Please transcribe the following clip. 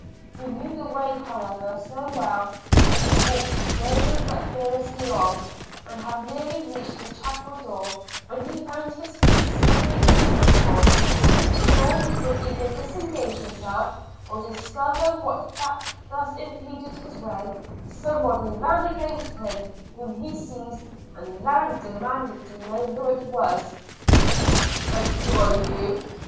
He knew the way, however, so well, that he walked slowly but fearlessly on, and had nearly reached the chapel door when he found his feet suddenly entangled; and before he could either disengage himself, or discover what it was that thus impeded his way, somebody ran against him, whom he sized, and loudly demanded to know who it was. 'And who are you?'